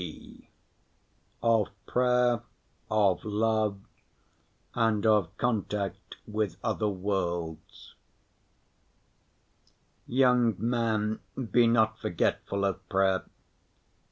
(g) Of Prayer, of Love, and of Contact with other Worlds Young man, be not forgetful of prayer.